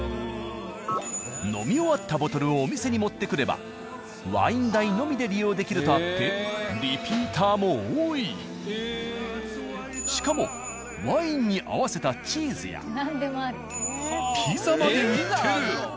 飲み終わったボトルをお店に持ってくればワイン代のみで利用できるとあってしかもワインに合わせたチーズやピザまで売ってる。